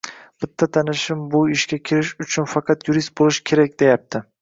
bitta tanishim bu ishga kirish uchun faqat yurist bo‘lish kerak deyapti